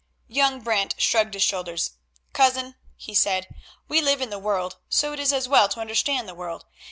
Young Brant shrugged his shoulders. "Cousin," he said, "we live in the world, so it is as well to understand the world.